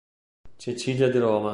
Cecilia” di Roma.